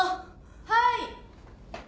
・はい。